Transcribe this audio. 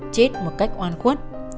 chết một cách oan khuất